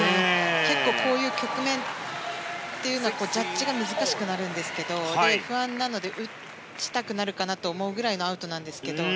結構、こういう局面っていうのはジャッジが難しくなるんですけど不安なので打ちたくなるかなというぐらいのアウトなんですけど。